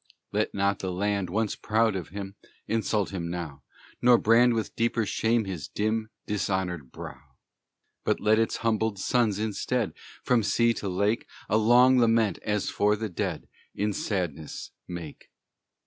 Let not the land once proud of him Insult him now, Nor brand with deeper shame his dim, Dishonored brow. But let its humbled sons, instead, From sea to lake, A long lament, as for the dead, In sadness make.